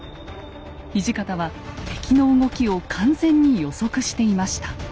土方は敵の動きを完全に予測していました。